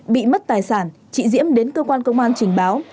bị mất tài sản chị diễm đến cơ quan công an trình báo